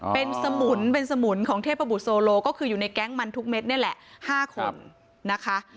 เป็นสมุนเป็นสมุนของเทพบุตรโซโลก็คืออยู่ในแก๊งมันทุกเม็ดนี่แหละ๕คนนะคะ